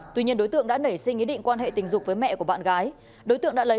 tuy nhiên đối tượng đã nảy sinh ý định quan hệ tình dục với mẹ của bạn gái đối tượng đã lấy